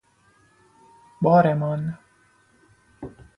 بارمان